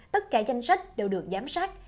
tất cả danh sách đều được giám sát